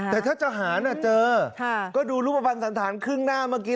แต่ถ้าจะหารเจอก็ดูรูปภัณฑ์สันธารครึ่งหน้าเมื่อกี้